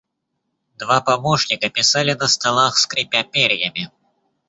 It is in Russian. Два помощника писали на столах, скрипя перьями.